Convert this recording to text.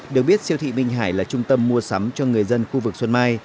được biết siêu thị bình hải là trung tâm mua sắm cho người dân khu vực xuân mai